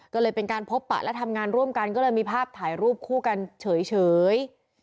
ก็เลยเป็นการพบปะและทำงานร่วมกันก็เลยมีภาพถ่ายรูปคู่กันเฉย